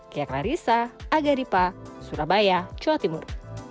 kia klarissa agaripa surabaya jawa timur